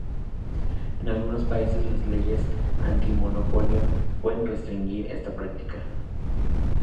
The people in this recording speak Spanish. En algunos países las leyes antimonopolio pueden restringir esta práctica.